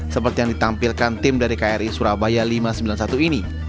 seperti yang ditampilkan tim dari kri surabaya lima ratus sembilan puluh satu ini